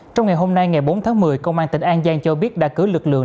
trong ngày hôm nay ngày bốn tháng một mươi công an tỉnh an giang cho biết đã cử lực lượng